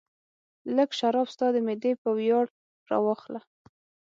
لږ شراب ستا د معدې په ویاړ راواخله.